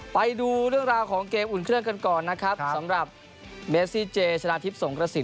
ไปดูเรื่องราวของเกมอุ่นเครื่องกันก่อนนะครับสำหรับเมซี่เจชนะทิพย์สงกระสิน